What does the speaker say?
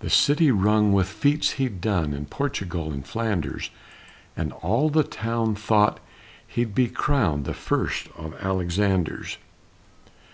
The city rung with feats he'd done In Portugal and Flanders, And all the town thought he'd be crowned The first of Alexanders.